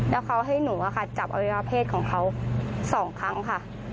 แล้วเขาให้หนูจับอวัยวะเพศของเขา๒ครั้งค่ะ